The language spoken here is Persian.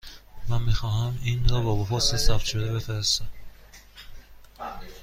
من می خواهم این را با پست ثبت شده بفرستم.